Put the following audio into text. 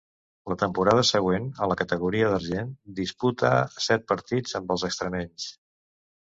La temporada següent, a la categoria d'argent, disputa set partits amb els extremenys.